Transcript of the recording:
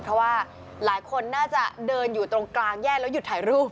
เพราะว่าหลายคนน่าจะเดินอยู่ตรงกลางแยกแล้วหยุดถ่ายรูป